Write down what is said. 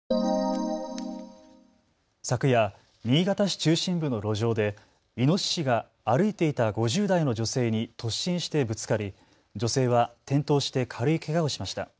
昨夜、新潟市中心部の路上でイノシシが歩いていた５０代の女性に突進してぶつかり、女性は転倒して軽いけがをしました。